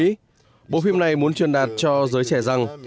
đấy bộ phim này muốn truyền đạt cho giới trẻ rằng